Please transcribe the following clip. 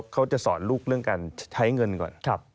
เขาจะสอนลูกเรื่องการใช้เงินก่อน